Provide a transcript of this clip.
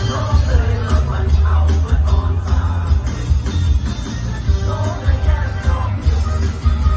ผมแค่ความคาวเหนือตาร้องเติ้ลแล้วมันเอามาอ่อนตา